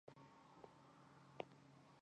强奸也是种族灭绝过程的一部分。